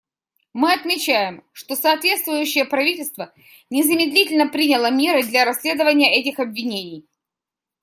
Мы отмечаем, что соответствующее правительство незамедлительно приняло меры для расследования этих обвинений.